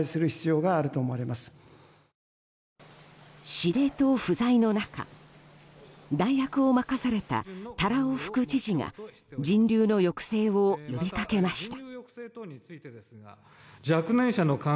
司令塔不在の中代役を任された多羅尾副知事が人流の抑制を呼びかけました。